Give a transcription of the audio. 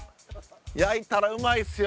焼いたらうまいっすよ！